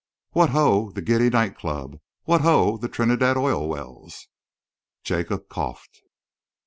What ho the giddy night club! What ho the Trinidad Oil Wells!" Jacob coughed.